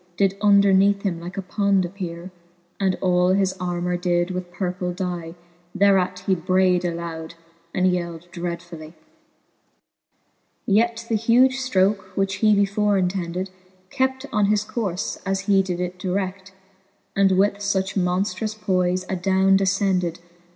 Did underneath him like a pond appeare, And all his armour did with purple dye; Thereat he brayed loud, and yelled dreadfully. XXI. Yet Canto XII. the Faerie ^ee^e, 195 XXI. Yet the huge ftroke, which he before intended, Kept on his courfe, as he did it dired, And with fuch monftrous poife adowne defcended.